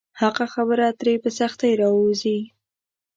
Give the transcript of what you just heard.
حقه خبره ترې په سختۍ راووځي.